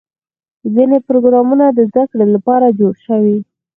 ځینې پروګرامونه د زدهکړې لپاره جوړ شوي.